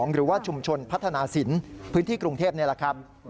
หรือว่าชุมชนพัฒนาศิลป์พื้นที่กรุงเทพนี่แหละครับ